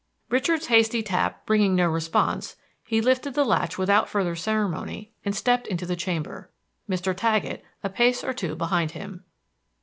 Richard's hasty tap bringing no response, he lifted the latch without further ceremony and stepped into the chamber, Mr. Taggett a pace or two behind him.